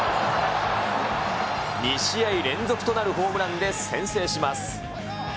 ２試合連続となるホームランで先制します。